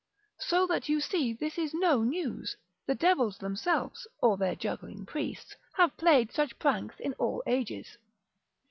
So that you see this is no news, the devils themselves, or their juggling priests, have played such pranks in all ages.